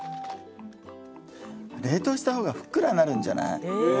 冷凍したほうがふっくらなるんじゃない？